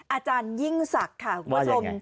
อาจารยิ่งศักดิ์ค่ะคุณผู้ชม